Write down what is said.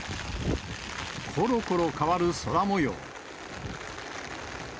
ころころ変わる空もよう。